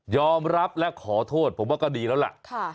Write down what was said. รับและขอโทษผมว่าก็ดีแล้วล่ะ